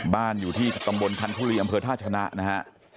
บ้านอยู่ที่ตำบลคันทุลีอำเภอท่าชนะนะฮะ